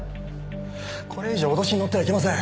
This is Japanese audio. これ以上脅しに乗ってはいけません。